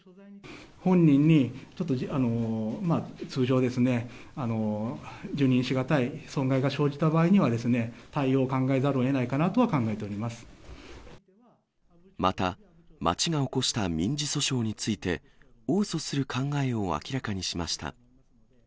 本人にちょっとまあ、通常ですね、受任し難い損害が生じた場合にはですね、対応を考えざるをえないまた、町が起こした民事訴訟について、応訴する考えを明らかにしました。